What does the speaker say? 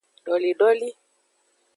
Dolidoli.